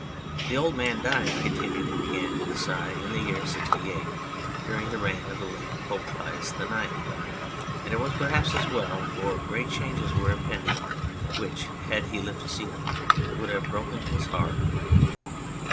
The old man died," continued the Brigand with a sigh, " in the year '68, during the reign of the late Pope Pius IX, and it was perhaps as well, for great changes were impending which, had he lived to see them, would have broken his heart.